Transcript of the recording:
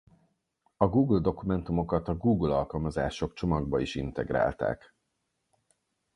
A Google Dokumentumokat a Google Alkalmazások csomagba is integrálták.